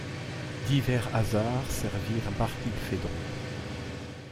Divers hasards servirent Barkilphedro.